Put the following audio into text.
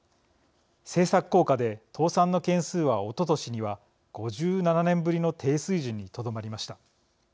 政策効果で、倒産の件数はおととしには５７年ぶりの低水準にとどまりました。